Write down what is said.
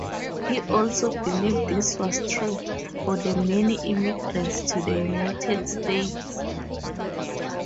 He also believed this was true for the many immigrants to the United States.